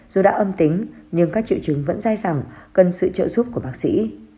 dù đã âm tính nhưng các triệu chứng vẫn dai dẳng cần sự trợ giúp của bác sĩ